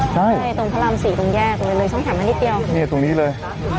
ใช่ตรงพระรำ๔ตรงแยกอีกตรงนี้เลย